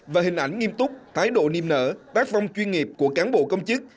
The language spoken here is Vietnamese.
và hình ảnh nghiêm túc thái độ niềm nở tác phong chuyên nghiệp của cán bộ công chức